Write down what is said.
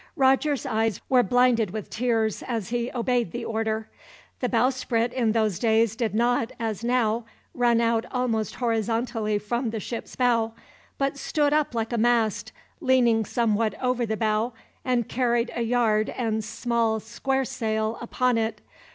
Roger's eyes were blinded with tears as he obeyed the order. The bowsprit in those days did not, as now, run out almost horizontally from the ship's bow; but stood up like a mast, leaning somewhat over the bow, and carried a yard and small square sail upon it.